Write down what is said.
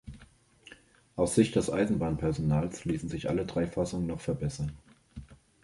Aus Sicht des Eisenbahnpersonals ließen sich alle drei Fassungen noch verbessern.